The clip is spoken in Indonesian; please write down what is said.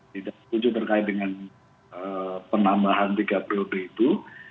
tidak setuju terkait dengan penambahan tiga periode itu